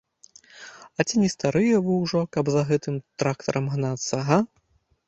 А ці не старыя вы ўжо, каб за тым трактарам гнацца, га?